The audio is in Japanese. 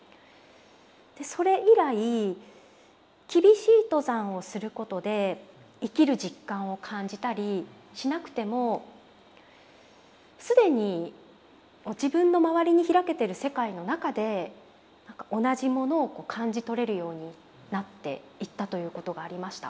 それ以来厳しい登山をすることで生きる実感を感じたりしなくても既に自分の周りに開けてる世界の中で同じものを感じ取れるようになっていったということがありました。